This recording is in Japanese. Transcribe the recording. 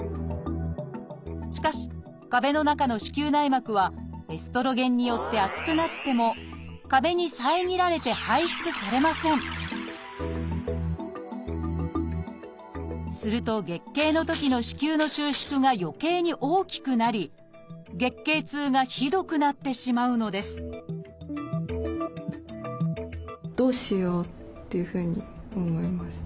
しかし壁の中の子宮内膜はエストロゲンによって厚くなっても壁に遮られて排出されませんすると月経のときの子宮の収縮がよけいに大きくなり月経痛がひどくなってしまうのですっていうふうに思いました。